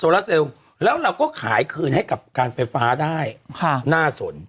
ลาเซลแล้วเราก็ขายคืนให้กับการไฟฟ้าได้ค่ะน่าสน